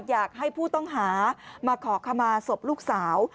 อยากให้ผู้ต้องหามาขอขมาศพลูกสาว